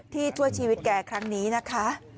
ช่วยชีวิตแกครั้งนี้นะคะ